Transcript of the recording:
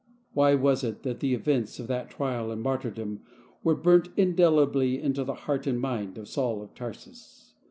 Why was it that the events of that trial and martyrdom were burnt indelibly into the heart and mind of Saul of Tarsus